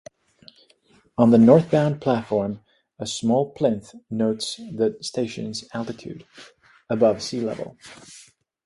On the northbound platform, a small plinth notes the station's altitude: above sea level.